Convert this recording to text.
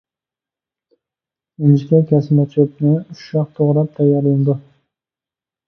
ئىنچىكە كەسمە چۆپنى ئۇششاق توغراپ تەييارلىنىدۇ.